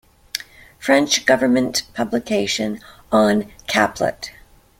French government publication on Caplet.